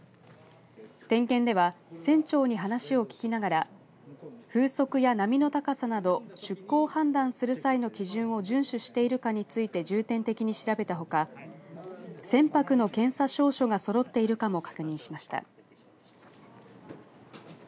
点検では、船長に話を聞きながら風速や波の高さなど出航を判断する際の基準を順守しているかについて重点的に調べたほか船舶の検査証書がそろっているかも確認しました。